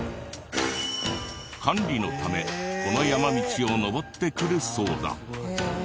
管理のためこの山道を登ってくるそうだ。